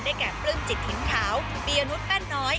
แก่ปลื้มจิตถิ่นขาวปียนุษยแป้นน้อย